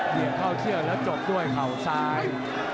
เหยียงเข้าเชื่อแล้วจบด้วยข่าวซ้าย